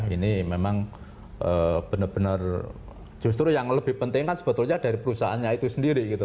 ini memang benar benar justru yang lebih penting kan sebetulnya dari perusahaannya itu sendiri gitu